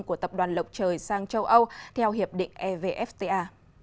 của tập đoàn lộc trời sang châu âu theo hiệp định evfta